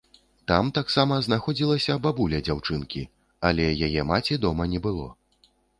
Там таксама знаходзілася бабуля дзяўчынкі, але яе маці дома не было.